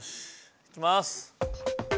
いきます。